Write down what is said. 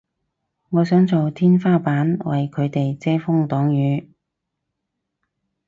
我想做天花板為佢哋遮風擋雨